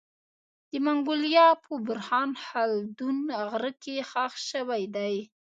د منګولیا په بورخان خلدون غره کي خښ سوی دی